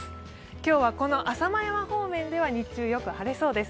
今日はこの浅間山方面では日中、よく晴れそうです。